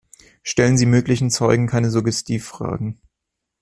Stellen Sie möglichen Zeugen keine Suggestivfragen.